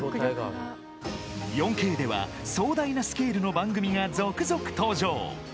４Ｋでは、壮大なスケールの番組が続々登場。